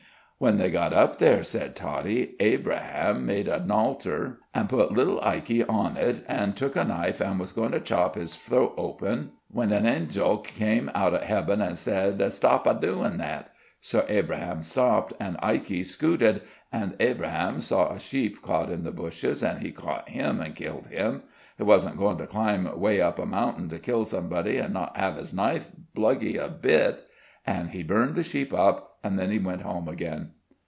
"When they got up there," said Toddie, "Abraham made a naltar an' put little Ikey on it, an' took a knife an' was goin' to chop his froat open, when a andzel came out of hebben an' said: 'Stop a doin' that.' So Abraham stopped, an' Ikey skooted; an' Abraham saw a sheep caught in the bushes, an' he caught him an' killed him. He wasn't goin' to climb way up a mountain to kill somebody an' not have his knife bluggy a bit. An' he burned the sheep up. An' then he went home again."